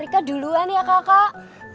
rika duluan ya kakak